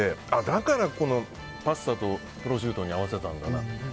だからこのパスタとプロシュートに合わせたんだ。